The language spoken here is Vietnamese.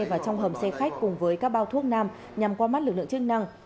và trong hầm xe khách cùng với các bao thuốc nam nhằm qua mắt lực lượng chức năng